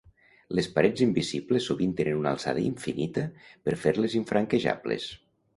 Les parets invisibles sovint tenen una alçada infinita per fer-les infranquejables.